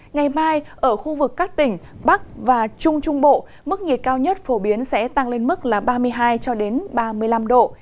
ngày mai ở khu vực các tỉnh bắc và trung trung bộ mức nhiệt cao nhất phổ biến sẽ tăng lên mức là ba mươi hai ba mươi năm độ